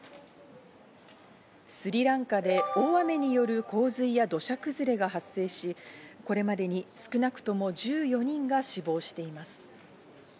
スリランカで大雨による洪水や土砂崩れが発生し、これまでに少なくとも１４人が死亡しています。